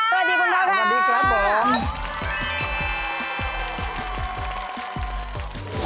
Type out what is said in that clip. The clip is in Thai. สวัสดีคุณพุทธค่ะ